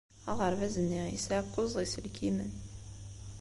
Aɣerbaz-nni yesɛa kuẓ n yiselkimen.